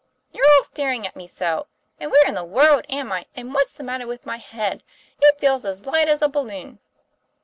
You're all staring at me so! And where in the world am I, and what's the matter with my head? It feels as light as a balloon!"